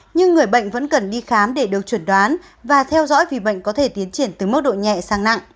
nhưng người bệnh vẫn cần đi khám để được chuẩn đoán và theo dõi vì bệnh có thể tiến triển từ mức độ nhẹ sang nặng